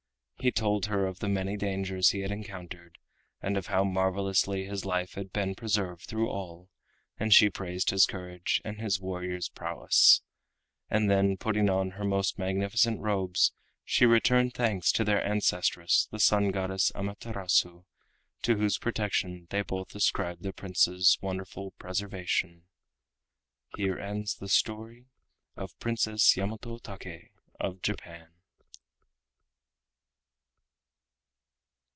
He told her of the many dangers he had encountered and of how marvelously his life had been preserved through all—and she praised his courage and his warrior's prowess, and then putting on her most magnificent robes she returned thanks to their ancestress the Sun Goddess Amaterasu, to whose protection they both ascribed the Prince's wonderful preservation. Here ends the story of Prince Yamato Take of Japan.